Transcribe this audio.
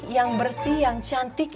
yang bersih yang cantik